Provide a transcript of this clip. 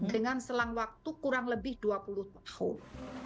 dengan selang waktu kurang lebih dua puluh tahun